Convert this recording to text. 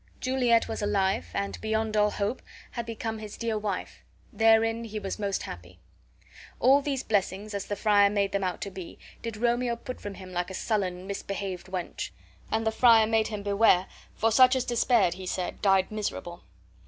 Juliet was alive and (beyond all hope) had become his dear wife; therein he was most happy. All these blessings, as the friar made them out to be, did Romeo put from him like a sullen misbehaved wench. And the friar bade him beware, for such as despaired (he said) died miserable.